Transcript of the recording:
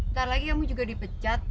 ntar lagi kamu juga dipecat